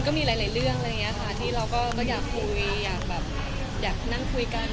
ก็มีหลายเรื่องที่เราก็อยากคุยอยากนั่งคุยกัน